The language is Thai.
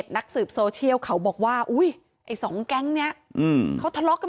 ทุกคนถูกกัน